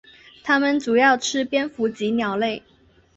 它们主要吃蝙蝠及鸟类。